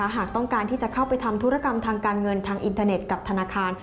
หากต้องการที่จะเข้าไปทำธุรกรรมทางการเงินทางอินเทอร์เน็ตกับธนาคาร